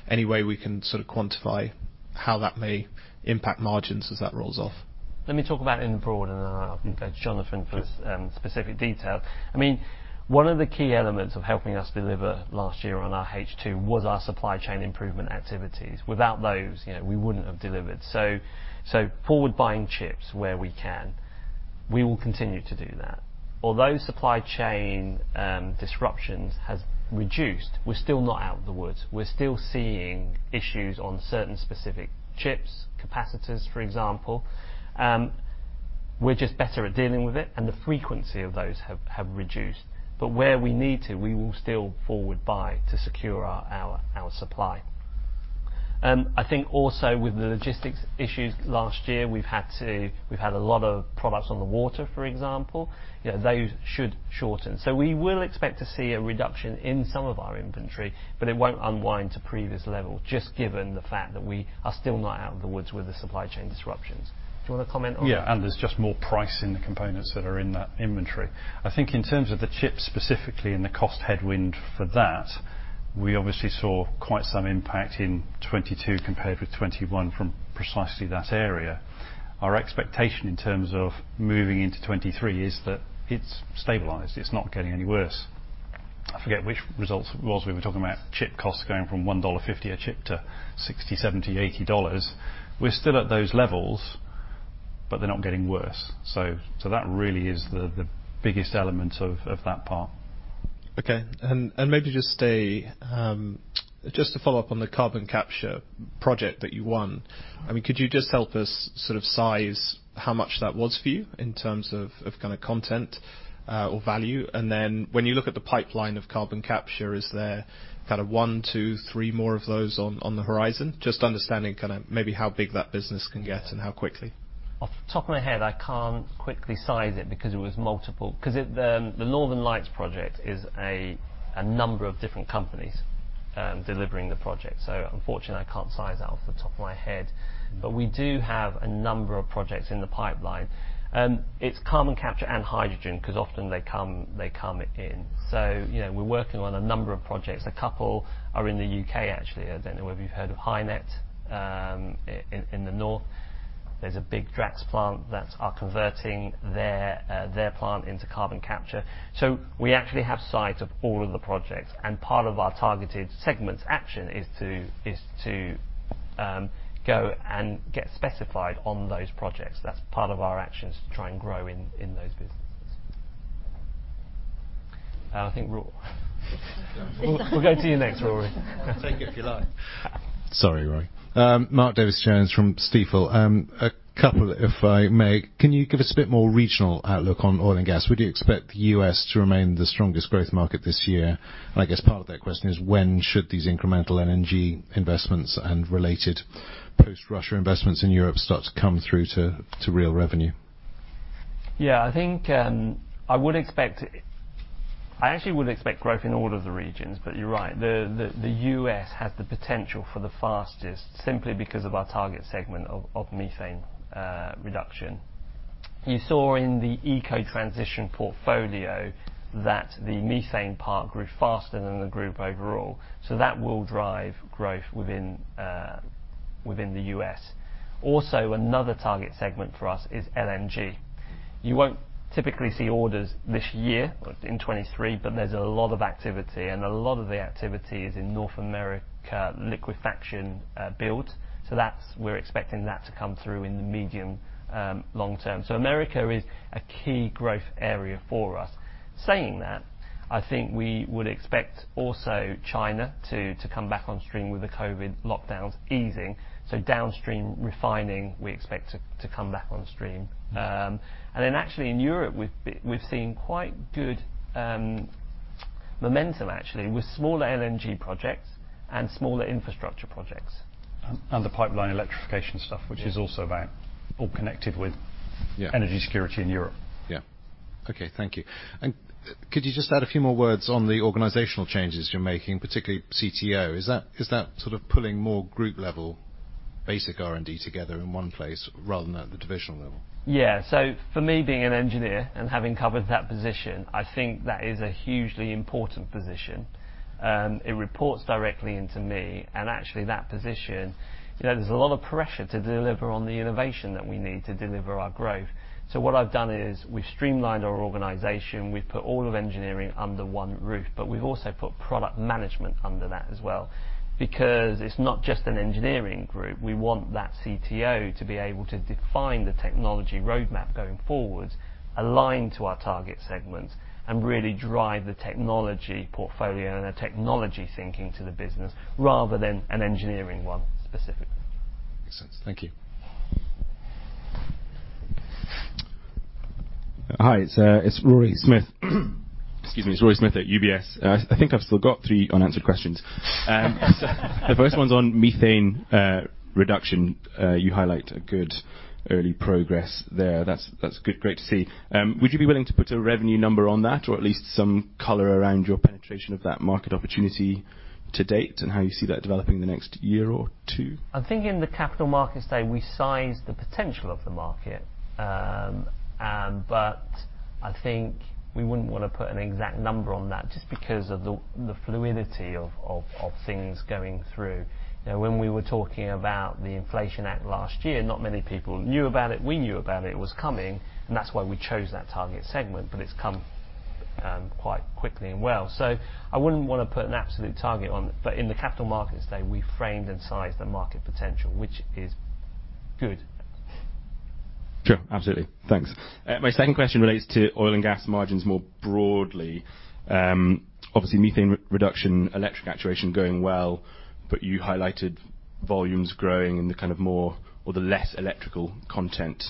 Any way we can sort of quantify how that may impact margins as that rolls off. Let me talk about it in broad. I'll go to Jonathan. Sure specific detail. I mean, one of the key elements of helping us deliver last year on our H2 was our supply chain improvement activities. Without those you know we wouldn't have delivered. Forward buying chips where we can, we will continue to do that. Although supply chain disruptions has reduced, we're still not out of the woods. We're still seeing issues on certain specific chips, capacitors, for example. We're just better at dealing with it, and the frequency of those have reduced. Where we need to, we will still forward buy to secure our supply. I think also with the logistics issues last year, we've had a lot of products on the water, for example. You know those should shorten. We will expect to see a reduction in some of our inventory, but it won't unwind to previous level, just given the fact that we are still not out of the woods with the supply chain disruptions. Do you wanna comment on that? Yeah. There's just more price in the components that are in that inventory. I think in terms of the chips specifically and the cost headwind for that, we obviously saw quite some impact in 2022 compared with 2021 from precisely that area. Our expectation in terms of moving into 2023 is that it's stabilized. It's not getting any worse. I forget which results it was we were talking about chip costs going from $1.50 a chip to $60, $70, $80. We're still at those levels, but they're not getting worse. That really is the biggest element of that part. Okay. Maybe just stay, just to follow up on the carbon capture project that you won. I mean, could you just help us sort of size how much that was for you in terms of kinda content, or value? Then when you look at the pipeline of carbon capture, is there kind of 1, 2, 3 more of those on the horizon? Just understanding kinda maybe how big that business can get and how quickly. Off the top of my head, I can't quickly size it because the Northern Lights project is a number of different companies, delivering the project. Unfortunately, I can't size that off the top of my head. We do have a number of projects in the pipeline. It's carbon capture and hydrogen, 'cause often they come in. You know we're working on a number of projects. A couple are in the UK actually. I don't know whether you've heard of HyNet, in the North. There's a big Drax plant that are converting their plant into carbon capture. We actually have sight of all of the projects, and part of our targeted segments action is to go and get specified on those projects. That's part of our action is to try and grow in those businesses. I think we'll go to you next, Rory. Take it if you like. Sorry, Rory. Mark Davies Jones from Stifel. A couple if I may. Can you give us a bit more regional outlook on oil and gas? Would you expect the U.S. to remain the strongest growth market this year? I guess part of that question is when should these incremental LNG investments and related post-Russia investments in Europe start to come through to real revenue? Yeah, I actually would expect growth in all of the regions. You're right, the US has the potential for the fastest simply because of our target segment of methane reduction. You saw in the Eco-Transition portfolio that the methane part grew faster than the group overall. That will drive growth within the US. Also, another target segment for us is LNG. You won't typically see orders this year or in 2023, there's a lot of activity and a lot of the activity is in North America liquefaction build. We're expecting that to come through in the medium, long term. America is a key growth area for us. Saying that, I think we would expect also China to come back on stream with the COVID lockdowns easing. Downstream refining we expect to come back on stream. Then actually in Europe, we've seen quite good momentum actually with smaller LNG projects and smaller infrastructure projects. The pipeline electrification stuff. Yeah. which is also about or connected with. Yeah. -energy security in Europe. Yeah. Okay. Thank you. Could you just add a few more words on the organizational changes you're making, particularly CTO? Is that sort of pulling more group level basic R&D together in one place rather than at the divisional level? Yeah. For me, being an engineer and having covered that position, I think that is a hugely important position. It reports directly into me and actually that position you know there's a lot of pressure to deliver on the innovation that we need to deliver our growth. What I've done is we've streamlined our organization, we've put all of engineering under one roof, but we've also put product management under that as well. It's not just an engineering group, we want that CTO to be able to define the technology roadmap going forward, align to our target segments, and really drive the technology portfolio and the technology thinking to the business rather than an engineering one specifically. Makes sense. Thank you. Hi, it's Rory Smith. Excuse me. It's Rory Smith at UBS. I think I've still got three unanswered questions. The first one's on methane reduction. You highlight a good early progress there. That's good, great to see. Would you be willing to put a revenue number on that or at least some color around your penetration of that market opportunity to date and how you see that developing in the next year or two? I think in the Capital Markets Day we sized the potential of the market. I think we wouldn't wanna put an exact number on that just because of the fluidity of, of things going through. You know when we were talking about the Inflation Act last year, not many people knew about it. We knew about it was coming and that's why we chose that target segment but it's come quite quickly and well. I wouldn't wanna put an absolute target on it, but in the Capital Markets Day we framed and sized the market potential which is good. Sure. Absolutely. Thanks. My second question relates to oil and gas margins more broadly. Obviously methane reduction, electric actuation going well but you highlighted volumes growing in the kind of more or the less electrical content,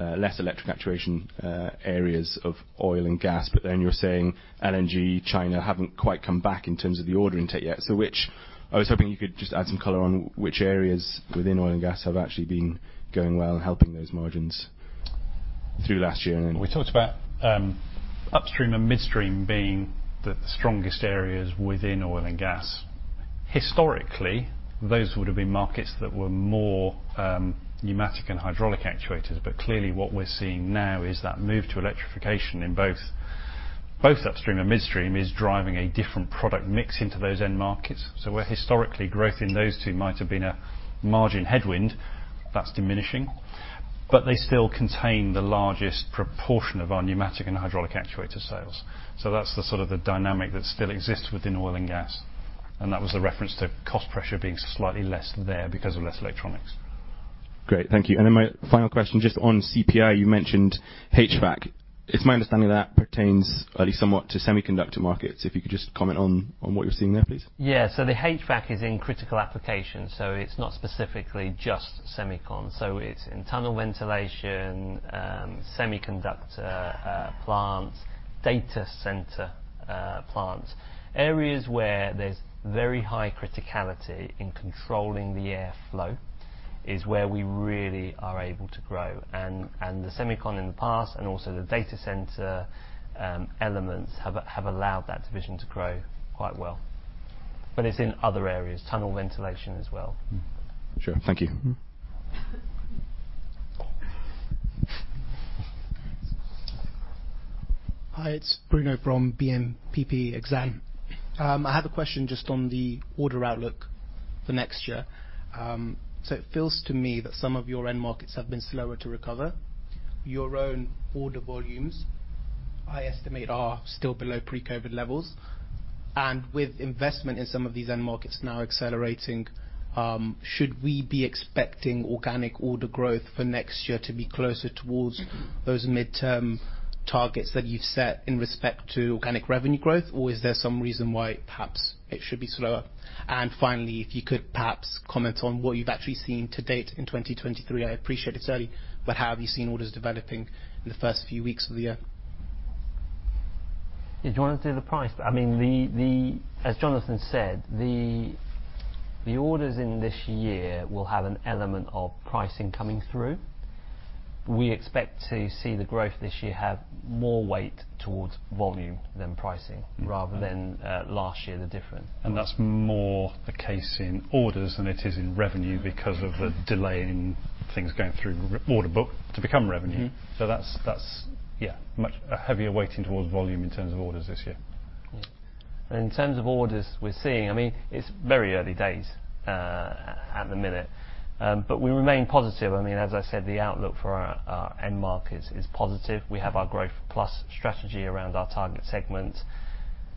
less electric actuation areas of oil and gas but then you're saying LNG China haven't quite come back in terms of the order intake yet. I was hoping you could just add some color on which areas within oil and gas have actually been going well and helping those margins through last year? We talked about upstream and midstream being the strongest areas within oil and gas. Historically, those would've been markets that were more pneumatic and hydraulic actuators. Clearly what we're seeing now is that move to electrification in both upstream and midstream is driving a different product mix into those end markets. Where historically growth in those two might have been a margin headwind, that's diminishing. They still contain the largest proportion of our pneumatic and hydraulic actuator sales. That's the sort of the dynamic that still exists within oil and gas, and that was the reference to cost pressure being slightly less there because of less electronics. Great. Thank you. My final question, just on CPI, you mentioned HVAC. It's my understanding that pertains at least somewhat to semiconductor markets. If you could just comment on what you're seeing there, please. Yeah. The HVAC is in critical applications, so it's not specifically just semicon. It's in tunnel ventilation, semiconductor plants, data center plants. Areas where there's very high criticality in controlling the airflow is where we really are able to grow. The semicon in the past and also the data center elements have allowed that division to grow quite well. It's in other areas, tunnel ventilation as well. Mm-hmm. Sure. Thank you. Hi, it's Bruno from BNP Paribas Exane. I have a question just on the order outlook for next year. It feels to me that some of your end markets have been slower to recover. Your own order volumes, I estimate, are still below pre-COVID levels. With investment in some of these end markets now accelerating, should we be expecting organic order growth for next year to be closer towards those midterm targets that you've set in respect to organic revenue growth? Is there some reason why perhaps it should be slower? Finally, if you could perhaps comment on what you've actually seen to date in 2023. I appreciate it's early, how have you seen orders developing in the first few weeks of the year? Did you wanna do the price? I mean, as Jonathan said, the orders in this year will have an element of pricing coming through. We expect to see the growth this year have more weight towards volume than pricing rather than last year, the difference. That's more the case in orders than it is in revenue because of the delay in things going through order book to become revenue. Mm-hmm. That's, yeah, a heavier weighting towards volume in terms of orders this year. Yeah. In terms of orders, I mean, it's very early days, at the minute, we remain positive. I mean, as I said, the outlook for our end markets is positive. We have our Growth+ strategy around our target segments.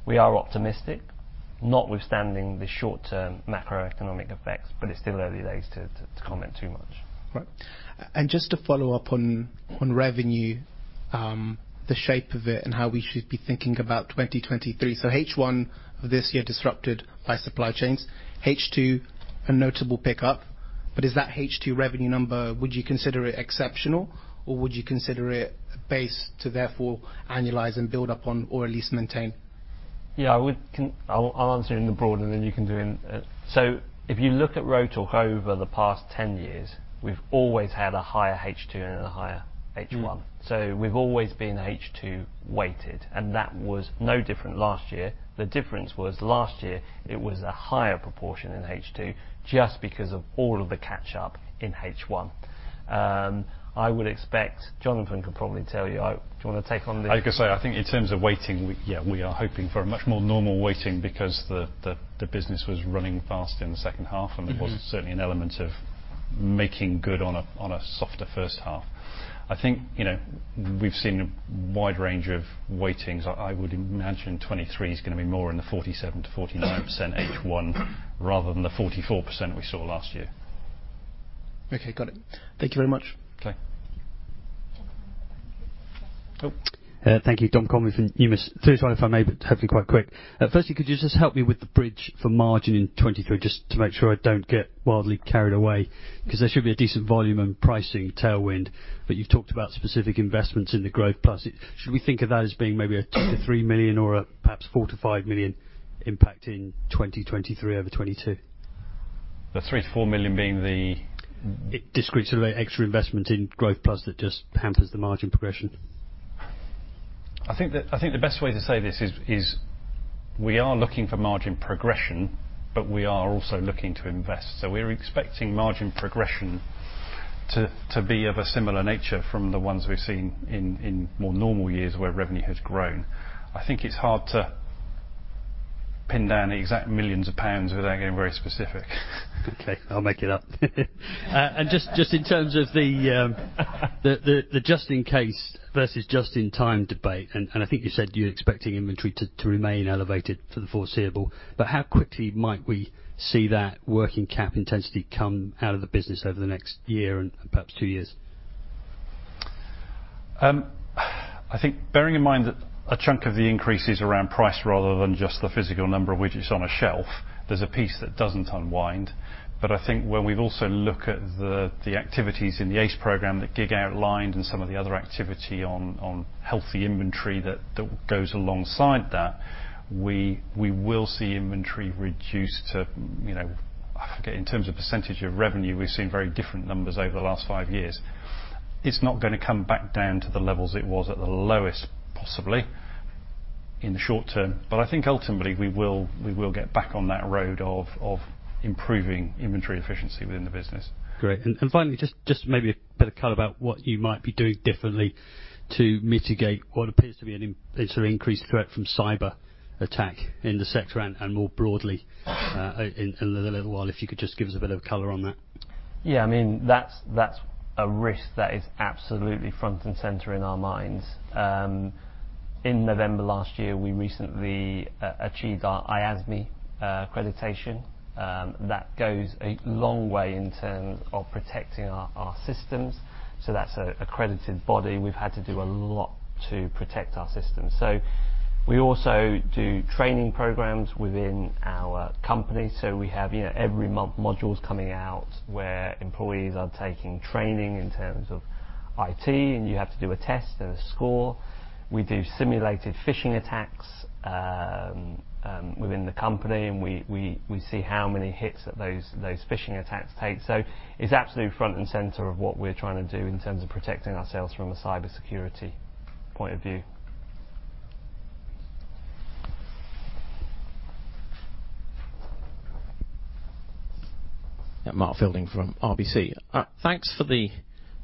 We are optimistic, notwithstanding the short-term macroeconomic effects, it's still early days to comment too much. Right. And just to follow up on revenue, the shape of it and how we should be thinking about 2023? H1 of this year disrupted by supply chains. H2, a notable pickup. Is that H2 revenue number, would you consider it exceptional, or would you consider it a base to therefore annualize and build upon or at least maintain? Yeah. I'll answer in the broad, and then you can do in. If you look at Rotork over the past 10 years, we've always had a higher H two and a higher H one. Mm-hmm. We've always been H two-weighted, and that was no different last year. The difference was last year it was a higher proportion in H two just because of all of the catch-up in H one. I would expect. Jonathan can probably tell you. I was gonna say, I think in terms of weighting, we, yeah, we are hoping for a much more normal weighting because the business was running fast in the second half. Mm-hmm ...and there was certainly an element of making good on a, on a softer first half. I think you know we've seen a wide range of weightings. I would imagine 2023 is gonna be more in the 47%-49% H1 rather than the 44% we saw last year. Okay. Got it. Thank you very much. Okay. Oh. Thank you. Dominic Coleman from UBS. Sorry, if I may, but hopefully quite quick. Firstly, could you just help me with the bridge for margin in 2023, just to make sure I don't get wildly carried away, 'cause there should be a decent volume and pricing tailwind, but you've talked about specific investments in the Growth+. Should we think of that as being maybe a 2 million-3 million or a perhaps 4 million-5 million impact in 2023 over 2022? The 3 million-4 million being the... Discretely extra investment in Growth+ that just hampers the margin progression. I think the best way to say this is we are looking for margin progression. We are also looking to invest. We're expecting margin progression to be of a similar nature from the ones we've seen in more normal years where revenue has grown. I think it's hard to pin down the exact millions of pounds without getting very specific. Okay. I'll make it up. Just in terms of the just in case versus just in time debate, and I think you said you're expecting inventory to remain elevated for the foreseeable, but how quickly might we see that working cap intensity come out of the business over the next year and perhaps 2 years? I think bearing in mind that a chunk of the increase is around price rather than just the physical number of widgets on a shelf, there's a piece that doesn't unwind. I think when we also look at the activities in the ACE program that Gig outlined and some of the other activity on healthy inventory that goes alongside that, we will see inventory reduced to you know. I forget, in terms of % of revenue, we've seen very different numbers over the last 5 years. It's not gonna come back down to the levels it was at the lowest, possibly, in the short term. I think ultimately we will get back on that road of improving inventory efficiency within the business. Great. Finally, just maybe a bit of color about what you might be doing differently to mitigate what appears to be an increased threat from cyberattack in the sector and more broadly, in the little while. If you could just give us a bit of color on that. Yeah. I mean, that's a risk that is absolutely front and center in our minds. In November last year, we recently achieved our IASME accreditation. That goes a long way in terms of protecting our systems. That's an accredited body. We've had to do a lot to protect our systems. We also do training programs within our company. We have you know every month, modules coming out where employees are taking training in terms of IT, and you have to do a test and a score. We do simulated phishing attacks within the company, and we see how many hits that those phishing attacks take. It's absolutely front and center of what we're trying to do in terms of protecting ourselves from a cybersecurity point of view. Mark Fielding from RBC. Thanks for the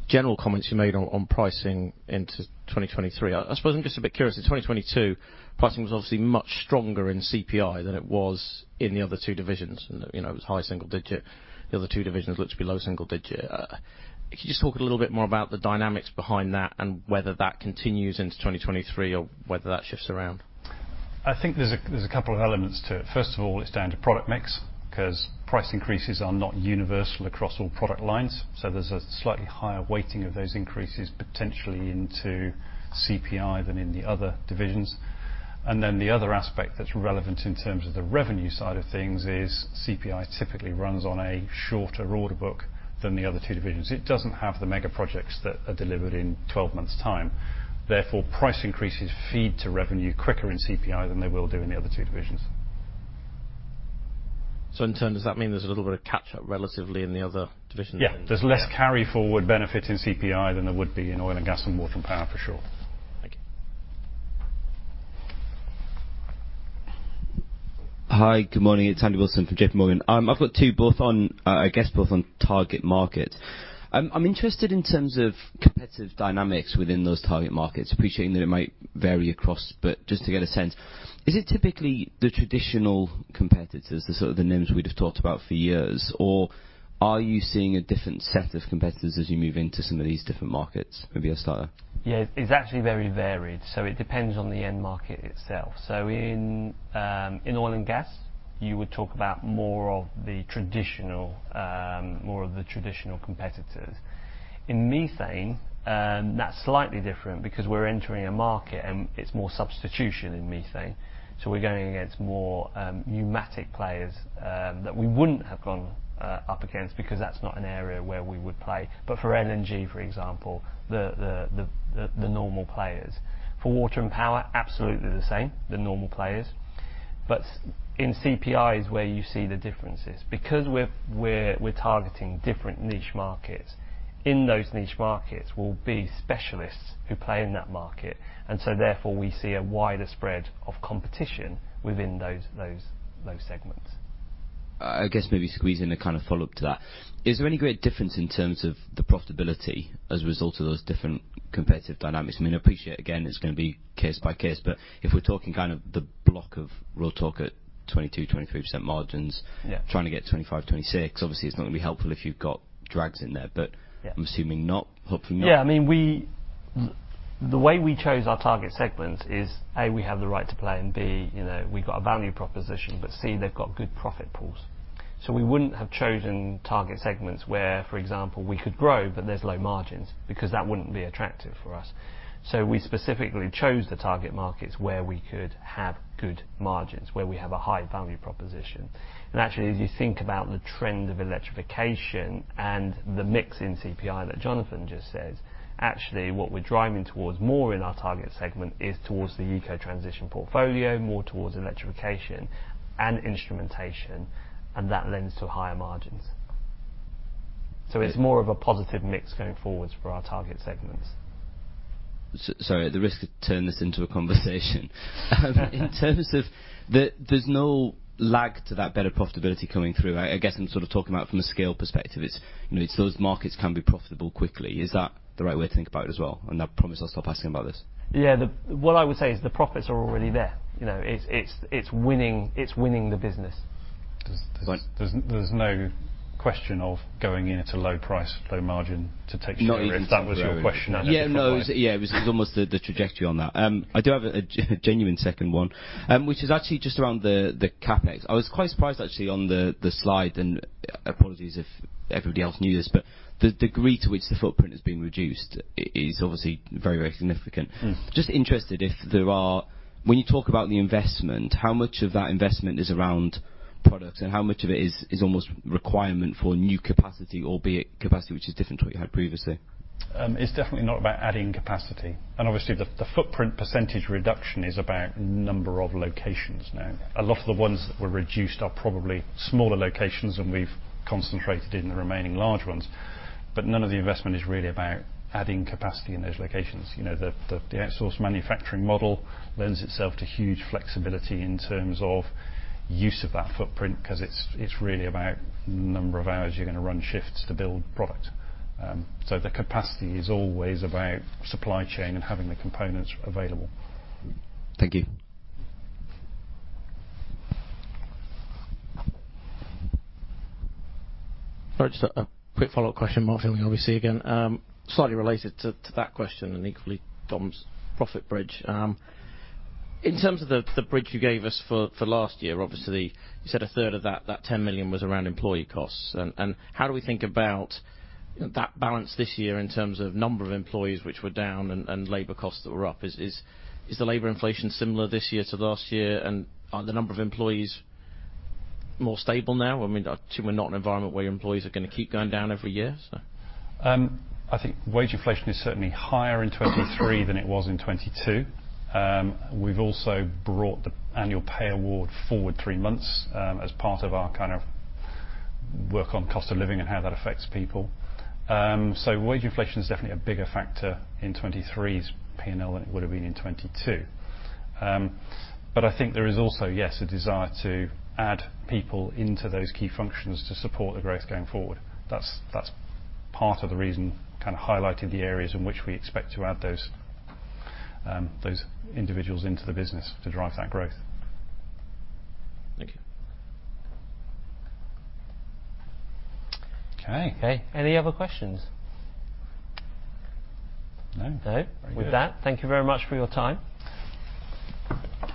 general comments you made on pricing into 2023. I suppose I'm just a bit curious. In 2022, pricing was obviously much stronger in CPI than it was in the other two divisions and you know it was high single-digit. The other two divisions looked to be low single-digit. Could you just talk a little bit more about the dynamics behind that and whether that continues into 2023 or whether that shifts around? I think there's a couple of elements to it. First of all, it's down to product mix, 'cause price increases are not universal across all product lines, so there's a slightly higher weighting of those increases potentially into CPI than in the other divisions. The other aspect that's relevant in terms of the revenue side of things is CPI typically runs on a shorter order book than the other two divisions. It doesn't have the mega projects that are delivered in 12 months' time. Therefore, price increases feed to revenue quicker in CPI than they will do in the other two divisions. In turn, does that mean there's a little bit of catch-up relatively in the other divisions then? Yeah. Yeah. There's less carry forward benefit in CPI than there would be in oil and gas and water and power, for sure. Thank you. Hi. Good morning. It's Andrew Wilson from J.P. Morgan. I've got 2, I guess both on target market. I'm interested in terms of competitive dynamics within those target markets. Appreciating that it might vary across, but just to get a sense, is it typically the traditional competitors, the sort of the names we'd have talked about for years, or are you seeing a different set of competitors as you move into some of these different markets? Maybe I'll start there. Yeah. It's actually very varied, so it depends on the end market itself. In oil and gas, you would talk about more of the traditional, more of the traditional competitors. In methane, that's slightly different because we're entering a market and it's more substitution in methane. We're going against more pneumatic players that we wouldn't have gone up against because that's not an area where we would play. For LNG, for example, the normal players. For water and power, absolutely the same, the normal players. In CPI is where you see the differences. We're targeting different niche markets, in those niche markets will be specialists who play in that market, and so therefore, we see a wider spread of competition within those segments. I guess maybe squeeze in a kind of follow-up to that. Is there any great difference in terms of the profitability as a result of those different competitive dynamics? I mean, I appreciate, again, it's gonna be case by case, but if we're talking kind of the block of Rotork 22%-23% margins- Yeah... trying to get 25, 26, obviously it's not gonna be helpful if you've got drags in there. Yeah. I'm assuming not. Hopefully not. Yeah, I mean, the way we chose our target segments is, A, we have the right to play, and B you know we've got a value proposition, but C, they've got good profit pools. We wouldn't have chosen target segments where, for example, we could grow but there's low margins because that wouldn't be attractive for us. We specifically chose the target markets where we could have good margins, where we have a high value proposition. Actually, as you think about the trend of electrification and the mix in CPI that Jonathan just said, actually, what we're driving towards more in our target segment is towards the UK transition portfolio, more towards electrification and instrumentation, and that lends to higher margins. Yeah. It's more of a positive mix going forward for our target segments. sorry, at the risk of turning this into a conversation. In terms of there's no lag to that better profitability coming through. I guess I'm sort of talking about from a scale perspective. It's you know it's those markets can be profitable quickly. Is that the right way to think about it as well? I promise I'll stop asking about this. Yeah. What I would say is the profits are already there. You know it's winning the business. Right. There's no question of going in at a low price, low margin to take share. Not even to grow. if that was your question, I can provide. Yeah, no. It was, yeah, it was almost the trajectory on that. I do have a genuine second one, which is actually just around the CapEx. I was quite surprised actually on the slide, and apologies if everybody else knew this, but the degree to which the footprint is being reduced is obviously very significant. Mm. When you talk about the investment, how much of that investment is around products and how much of it is almost requirement for new capacity, albeit capacity which is different to what you had previously? It's definitely not about adding capacity. Obviously, the footprint % reduction is about number of locations now. A lot of the ones that were reduced are probably smaller locations, and we've concentrated in the remaining large ones. None of the investment is really about adding capacity in those locations. You know the outsource manufacturing model lends itself to huge flexibility in terms of use of that footprint 'cause it's really about number of hours you're gonna run shifts to build product. The capacity is always about supply chain and having the components available. Thank you. Sorry, just a quick follow-up question. Mark Fielding, RBC again. Slightly related to that question and equally Dom's profit bridge. In terms of the bridge you gave us for last year, obviously you said a third of that 10 million was around employee costs. How do we think about that balance this year in terms of number of employees which were down and labor costs that were up? Is the labor inflation similar this year to last year? Are the number of employees more stable now? I mean, I assume we're not in an environment where your employees are going to keep going down every year. I think wage inflation is certainly higher in 2023 than it was in 2022. We've also brought the annual pay award forward 3 months as part of our kind of work on cost of living and how that affects people. Wage inflation is definitely a bigger factor in 2023's P&L than it would've been in 2022. I think there is also, yes, a desire to add people into those key functions to support the growth going forward. That's part of the reason kind of highlighting the areas in which we expect to add those individuals into the business to drive that growth. Thank you. Okay. Okay. Any other questions? No. No. Very good. With that, thank you very much for your time. Thanks.